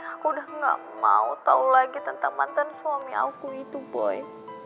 aku udah gak mau tahu lagi tentang mantan suami aku itu boy